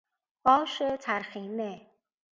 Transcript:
آش ترخینه